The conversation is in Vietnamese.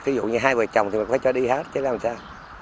ví dụ như hai vợ chồng thì mình phải cho đi hết chứ làm sao